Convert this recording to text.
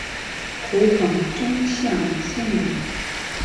湖广钟祥县人。